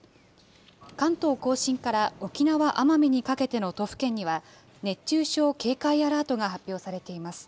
関東甲信から沖縄・奄美にかけての都府県には、熱中症警戒アラートが発表されています。